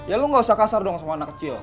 ya lu gak usah kasar dong sama anak kecil